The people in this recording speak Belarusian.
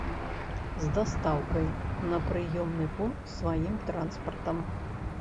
З дастаўкай на прыёмны пункт сваім транспартам.